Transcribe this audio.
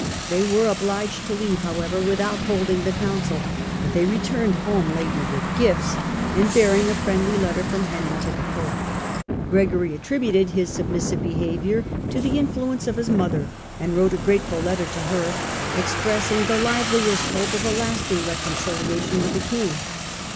They were obliged to leave, however, without holding the council ; but they returned home laden with gifts^ and bearing a friendly letter from Henry to the pope. Gregory attributed his submissive behaviour to the in fluence of his mother, and wrote a grateful letter to her, expressing the liveliest hope of a lasting reconciliation with the king.